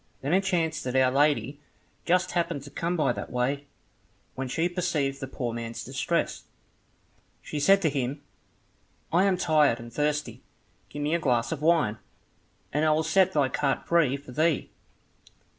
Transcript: Then it chanced that Our Lady just happened to come by that way, and when she perceived the poor man's distress, she said to him, "I am tired and thirsty, give me a glass of wine, and I will set thy cart free for thee."